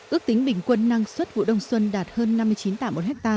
ước tính bình quân năng suất vụ đông xuân đạt hơn năm mươi chín tạ một ha